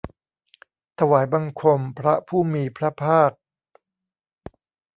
ถวายบังคมพระผู้มีพระภาค